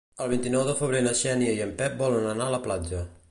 El vint-i-nou de febrer na Xènia i en Pep volen anar a la platja.